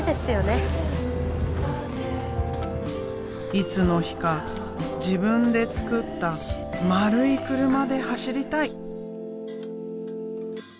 いつの日か自分で作った丸い車で走りたい！